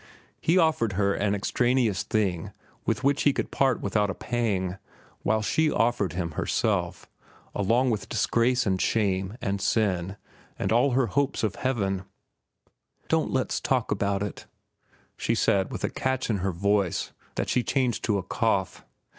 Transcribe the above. He offered her an extraneous thing with which he could part without a pang, while she offered him herself, along with disgrace and shame, and sin, and all her hopes of heaven. "Don't let's talk about it," she said with a catch in her voice that she changed to a cough.